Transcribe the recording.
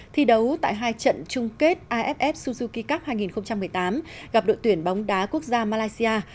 thi đấu tại hai trận chung kết aff suzuki cup hai nghìn một mươi tám gặp đội tuyển bóng đá quốc gia malaysia